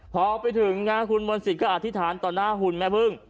พอไปถึงงานคุณมณศิษย์ก็อธิษฐานต่อหน้าหุ่นแม่พึ่ง